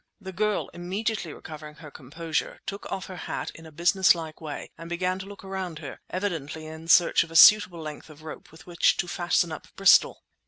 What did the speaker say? The girl, immediately recovering her composure, took off her hat in a businesslike way and began to look around her, evidently in search of a suitable length of rope with which to fasten up Bristol.